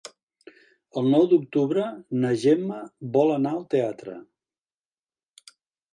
El nou d'octubre na Gemma vol anar al teatre.